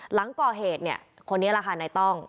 หลังก่อเหตุเนี่ยคนนี้แหละค่ะในต้อง